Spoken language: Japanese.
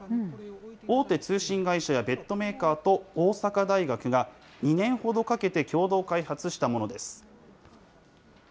大手通信会社やベッドメーカーと大阪大学が２年ほどかけて共同開発したものです。